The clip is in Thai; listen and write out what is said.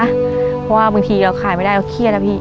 เพราะว่าบางทีเราขายไม่ได้เราเครียดนะพี่